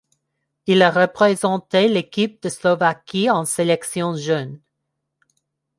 Il a représenté l'équipe de Slovaquie en sélection jeune.